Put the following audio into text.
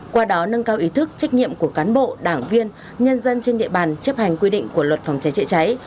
qua đó nâng cao ý thức trách nhiệm của cán bộ đảng viên nhân dân trên địa bàn chấp hành quy định của luật phòng cháy chữa cháy